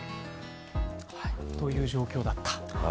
という状況だった。